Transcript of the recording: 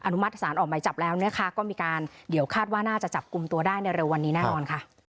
มัติศาลออกหมายจับแล้วนะคะก็มีการเดี๋ยวคาดว่าน่าจะจับกลุ่มตัวได้ในเร็ววันนี้แน่นอนค่ะ